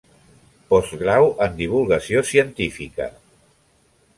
Postgrau en Divulgació Científica.